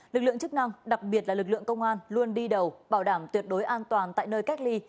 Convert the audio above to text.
lực lượng chức năng đặc biệt là lực lượng công an luôn đi đầu bảo đảm tuyệt đối an toàn tại nơi cách ly